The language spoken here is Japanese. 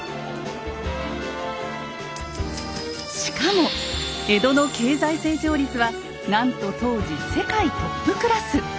しかも江戸の経済成長率はなんと当時世界トップクラス！